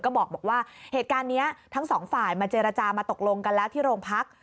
ก็บอกว่าเหตุการณ์นี้ทั้งสองฝ่ายมาเจรจามาตกลงกันแล้วที่โรงพัก